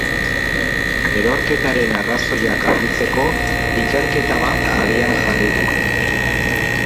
Erorketaren arrazoiak argitzeko ikerketa bat abian jarri dute.